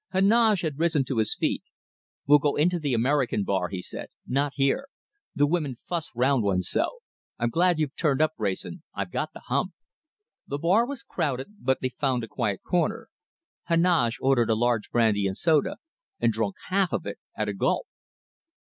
Heneage had risen to his feet. "We'll go into the American bar," he said. "Not here. The women fuss round one so. I'm glad you've turned up, Wrayson. I've got the hump!" The bar was crowded, but they found a quiet corner. Heneage ordered a large brandy and soda, and drunk half of it at a gulp.